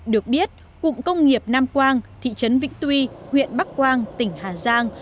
được biết cụm công nghiệp nam quang thị trấn vĩnh tuy huyện bắc quang tỉnh hà giang